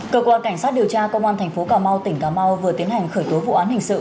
cơ quan cảnh sát điều tra công an thành phố cà mau tỉnh cà mau vừa tiến hành khởi tố vụ án hình sự